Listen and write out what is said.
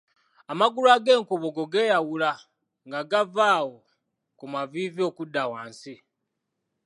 Amagulu ag’enkobogo geeyawula nga gava awo ku maviivi okudda wansi.